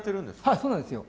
はいそうなんですよ。